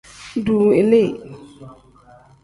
Duu ilii.